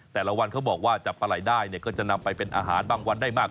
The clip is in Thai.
แต่ละวันเขาบอกว่าจับปลาไหล่ได้เนี่ยก็จะนำไปเป็นอาหารบางวันได้มาก